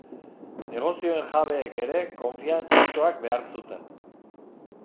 Negozioen jabeek ere konfiantzazkoak behar zuten.